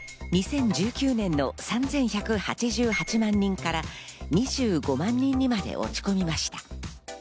２０１９年の３１８８万人から２５万人にまで落ち込みました。